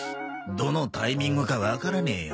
どのタイミングかわからねえよ。